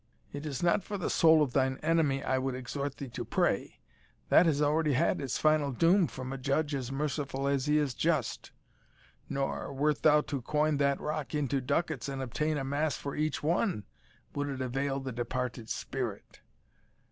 It is not for the soul of thine enemy I would exhort thee to pray that has already had its final doom from a Judge as merciful as he is just; nor, wert thou to coin that rock into ducats, and obtain a mass for each one, would it avail the departed spirit.